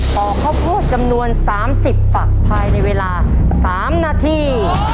อกข้าวโพดจำนวน๓๐ฝักภายในเวลา๓นาที